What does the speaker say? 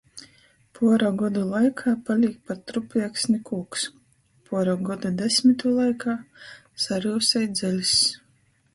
Puora godu laikā palīk par trupieksni kūks, puora godu desmitu laikā saryusej dzeļzs.